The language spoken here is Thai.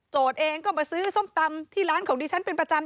เองก็มาซื้อส้มตำที่ร้านของดิฉันเป็นประจำ